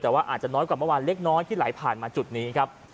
แต่ว่าอาจจะน้อยกว่าเมื่อวานเล็กน้อยที่ไหลผ่านมาจุดนี้ครับ